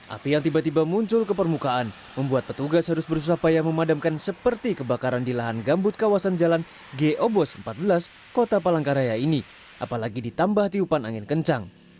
api yang tiba tiba muncul ke permukaan membuat petugas harus berusaha memadamkan seperti kebakaran di lahan gambut kawasan jalan go bos empat belas kota palangkaraya ini apalagi ditambah tiupan angin kencang